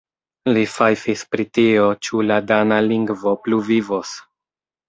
Li fajfis pri tio ĉu la dana lingvo pluvivos.